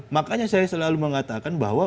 makanya saya selalu mengatakan bahwa